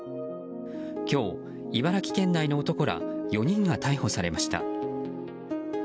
今日、茨城県内の男ら４人が逮捕されました。